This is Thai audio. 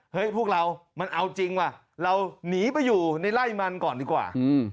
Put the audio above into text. พวกเรามันเอาจริงว่ะเราหนีไปอยู่ในไล่มันก่อนดีกว่า